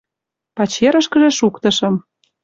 Пачерышкыже шуктышым.